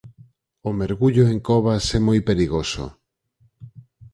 O mergullo en covas é moi perigoso.